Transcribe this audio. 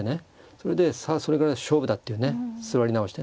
それでさあそれから勝負だっていうね座り直してね